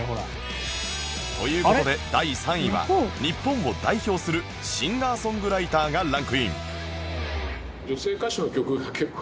という事で第３位は日本を代表するシンガーソングライターがランクイン